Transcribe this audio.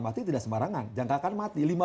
mati tidak sembarangan jangkakan mati lima belas